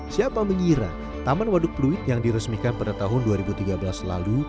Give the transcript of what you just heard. siapa mengira taman waduk pluit yang diresmikan pada tahun dua ribu tiga belas lalu